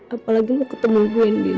apalagi mau ketemu gue din